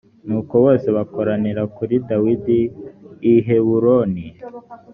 nuko bose bakoranira kuri dawidi i heburoni.